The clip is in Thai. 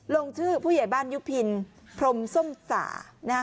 ลงชื่อผู้ใหญ่บ้านยุพินพรมส้มสานะฮะ